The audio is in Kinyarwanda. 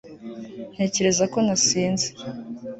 ntekereza ko nasinze